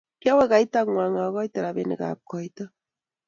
Kiawe kaitang'wany akoito robinikab koito